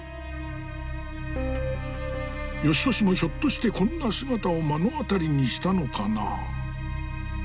芳年もひょっとしてこんな姿を目の当たりにしたのかな。